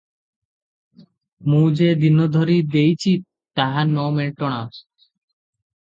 ମୁଁ ଯେ ଦିନ ଧରି ଦେଇଛି, ତାହା ନ ମେଣ୍ଟନ ।"